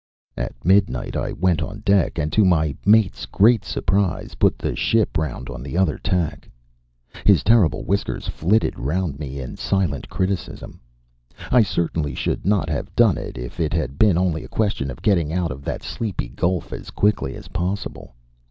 At midnight I went on deck, and to my mate's great surprise put the ship round on the other tack. His terrible whiskers flitted round me in silent criticism. I certainly should not have done it if it had been only a question of getting out of that sleepy gulf as quickly as possible.